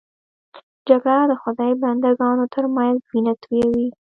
جګړه د خدای بنده ګانو تر منځ وینه تویوي